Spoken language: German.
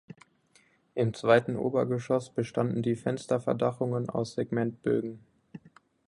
Im zweiten Obergeschoss bestanden die Fensterverdachungen aus Segmentbögen.